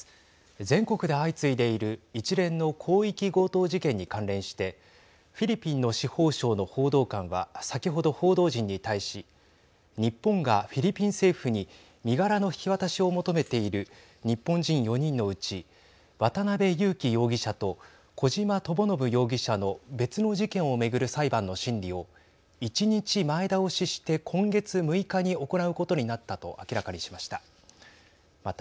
全国で相次いでいる一連の広域強盗事件に関連してフィリピンの司法省の報道官は先ほど報道陣に対し日本がフィリピン政府に身柄の引き渡しを求めている日本人４人のうち渡辺優樹容疑者と小島智信容疑者の別の事件を巡る裁判の審理を１日前倒しして今月６日に行うことになったと明らかにしました。